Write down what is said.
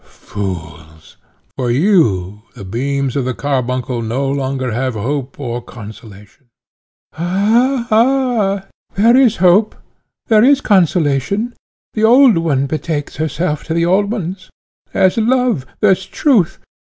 "Fools! For you the beams of the carbuncle no longer have hope or consolation." "Ha! ha! There is hope, there is consolation; the old one betakes herself to the old ones; there's love! there's truth!